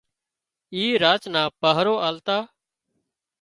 اي راچ نان پاهرو آلتا